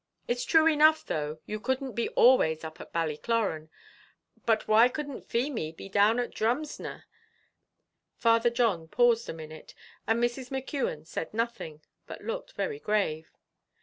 It's true enough, though, you couldn't be always up at Ballycloran; but why couldn't Feemy be down at Drumsna?" Father John paused a minute, and Mrs. McKeon said nothing, but looked very grave.